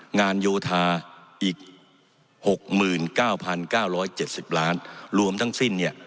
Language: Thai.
งานโยธาอีกหกหมื่นเก้าพันเก้าร้อยเจ็ดสิบล้านรวมทั้งสิ้นเนี่ย